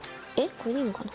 これでいいのかな。